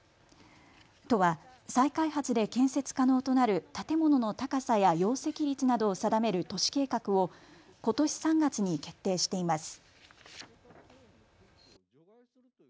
都は再開発で建設可能となる建物の高さや容積率などを定める都市計画をことし３月に決定しています。